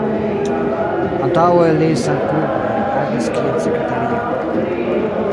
Antaŭe li samklube agis kiel sekretario.